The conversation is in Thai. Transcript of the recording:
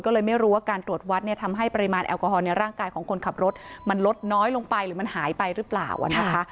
ก็เลยไม่รู้ว่าการตรวจวัดเนี่ยทำให้ปริมาณแอลกอฮอลในร่างกายของคนขับรถมันลดน้อยลงไปหรือมันหายไปหรือเปล่านะคะ